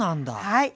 はい。